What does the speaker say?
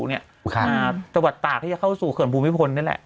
จังหวัดตากที่จะเข้าสู่เขื่อนภูมิพลนี่แหละ